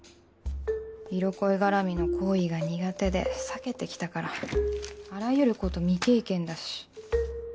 色恋がらみの行為が苦手で避けてきたからあらゆること未経験だし。